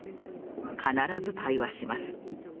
必ず対話します。